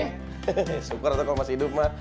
hehehe syukur tuh kamu masih hidup ma